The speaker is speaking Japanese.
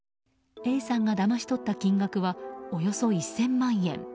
Ａさんがだまし取った金額はおよそ１０００万円。